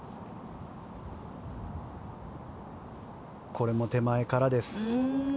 これも手前からです。